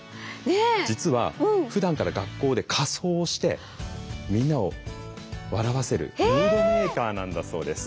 実はふだんから学校で仮装をしてみんなを笑わせるムードメーカーなんだそうです。